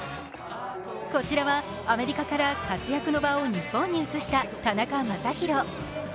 こちらはアメリカから活躍の場を日本に移した田中将大